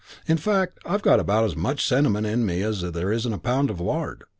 In fact I've got about as much sentiment in me as there is in a pound of lard.